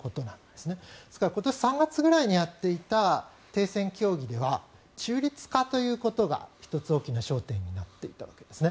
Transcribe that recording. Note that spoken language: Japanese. ですから今年３月ぐらいにやっていた停戦協議では中立化ということが１つ、大きな焦点になっていたわけです。